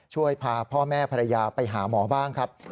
ช่วยพาพ่อแม่ภรรยาไปหาหมอบ้างครับ